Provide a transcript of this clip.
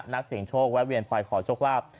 นักเสียงโชคแวะเวียนไปขอโชคลาภ